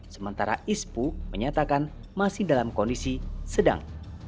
sementara ispu menyatakan masih dalam kondisi sedang